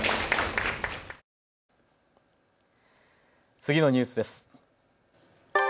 次のニュースです。